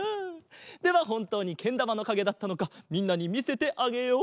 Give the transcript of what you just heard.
ではほんとうにけんだまのかげだったのかみんなにみせてあげよう。